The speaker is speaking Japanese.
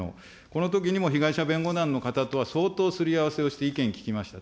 このときにも被害者弁護団の方と相当すり合わせをして意見聞きました。